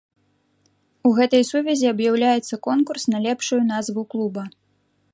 У гэтай сувязі аб'яўляецца конкурс на лепшую назву клуба.